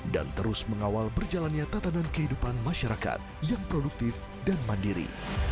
dan terus mengawal berjalannya tatanan kehidupan masyarakat yang produktif dan mandiri